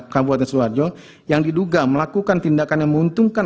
kabupaten sidoarjo yang diduga melakukan tindakan yang menguntungkan